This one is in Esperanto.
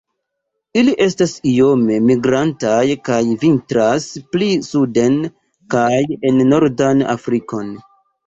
Ili estas iome migrantaj, kaj vintras pli suden kaj en nordan Afrikon.